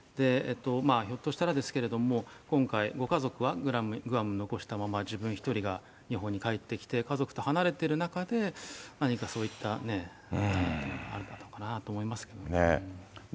ひょっとしたらですけれども、今回、ご家族はグアムに残したまま自分１人が日本に帰ってきて、家族と離れてる中で何かそういったね、あったのかなと思いますけどね。